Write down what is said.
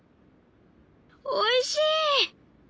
おいしい！